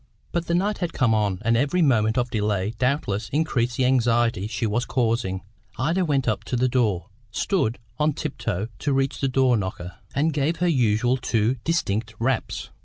But the night had come on, and every moment of delay doubtless increased the anxiety she was causing. Ida went up to the door, stood on tiptoe to reach the knocker, and gave her usual two distinct raps.